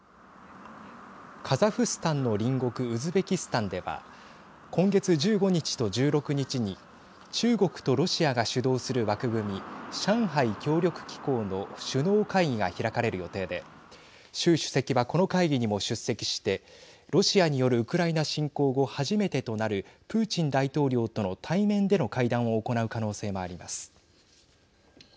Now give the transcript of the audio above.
カザフスタンの隣国ウズベキスタンでは今月１５日と１６日に中国とロシアが主導する枠組み上海協力機構の首脳会議が開かれる予定で習主席は、この会議にも出席してロシアによるウクライナ侵攻後初めてとなるプーチン大統領との対面での会談を行う可能性もあります。